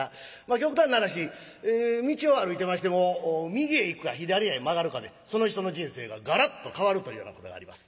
極端な話道を歩いてましても右へ行くか左へ曲がるかでその人の人生がガラッと変わるというようなことがあります。